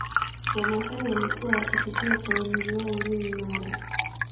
Wamasai wamekuwa wakisifiwa kwa ulinzi wao ulio imara